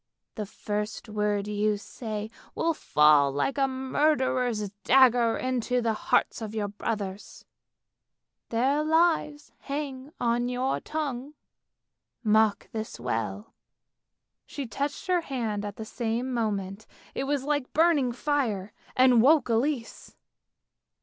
The first word you say will fall like a murderer's dagger into the hearts of your brothers. Their lives hang on your tongue. Mark this well! " She touched her hand at the same moment, it was like burning fire, and woke Elise.